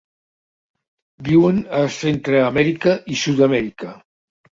Viuen a Centreamèrica i Sud-amèrica.